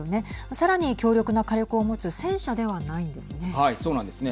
さらに強力な火力を持つ戦車ではないんですね。